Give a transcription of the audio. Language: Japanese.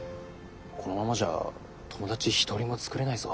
このままじゃ友達一人も作れないぞ。